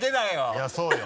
いやそうよ。